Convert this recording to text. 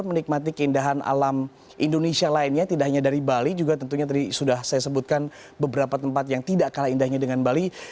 menikmati keindahan alam indonesia lainnya tidak hanya dari bali juga tentunya tadi sudah saya sebutkan beberapa tempat yang tidak kalah indahnya dengan bali